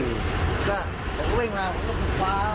ผมก็วิ่งมาผมก็ขึ้นฟ้า